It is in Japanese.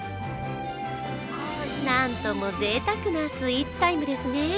なんともぜいたくもスイーツタイムですね。